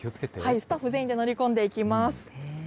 スタッフ全員で乗り込んでいきます。